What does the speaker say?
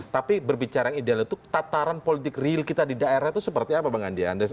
tapi berbicara yang ideal itu tataran politik real kita di daerah itu seperti apa bang andi